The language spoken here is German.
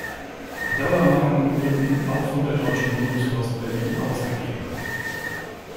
Die Dauermarken wurden auch von der Deutschen Bundespost Berlin ausgegeben.